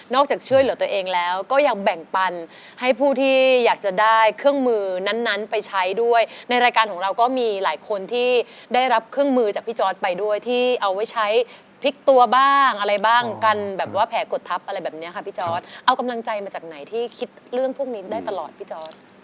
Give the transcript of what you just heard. จากช่วยเหลือตัวเองแล้วก็ยังแบ่งปันให้ผู้ที่อยากจะได้เครื่องมือนั้นนั้นไปใช้ด้วยในรายการของเราก็มีหลายคนที่ได้รับเครื่องมือจากพี่จอร์ดไปด้วยที่เอาไว้ใช้พลิกตัวบ้างอะไรบ้างกันแบบว่าแผลกดทับอะไรแบบนี้ค่ะพี่จอร์ดเอากำลังใจมาจากไหนที่คิดเรื่องพวกนี้ได้ตลอดพี่จอร์ด